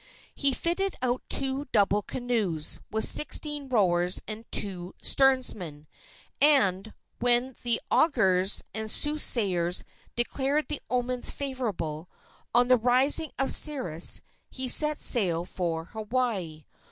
He fitted out two double canoes, with sixteen rowers and two steersmen, and, when the augurs and soothsayers declared the omens favorable, on the rising of Sirius he set sail for Hawaii.